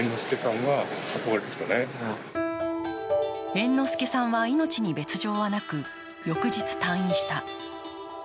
猿之助さんは命に別状はなく、翌日、退院した。